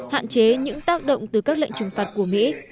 hạn chế những tác động từ các lệnh trừng phạt của mỹ